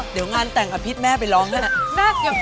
เดี๋ยวงานแต่งอภิษแม่ไปร้องด้วยนะ